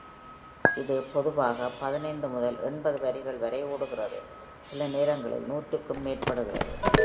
இது பொதுவாக பதினைந்து முதல் எண்பது வரிகள் வரை ஓடுகிறது, சில நேரங்களில் நூற்றுக்கும் மேற்படுகிறது.